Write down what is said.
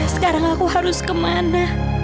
sekarang aku harus kemana